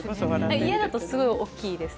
家だとすごい大きいです。